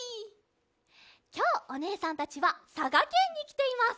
きょうおねえさんたちはさがけんにきています。